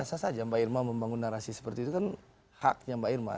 biasa saja mbak irma membangun narasi seperti itu kan haknya mbak irma